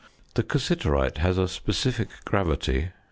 The cassiterite has a specific gravity (6.